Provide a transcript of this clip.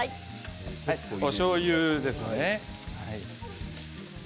おしょうゆですね。